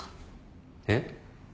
えっ？